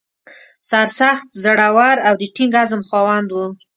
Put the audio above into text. سرسخت، زړه ور او د ټینګ عزم خاوند و.